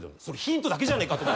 それヒントだけじゃねえか！